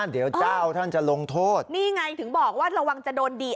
เดี๋ยวเจ้าท่านจะลงโทษนี่ไงถึงบอกว่าระวังจะโดนดี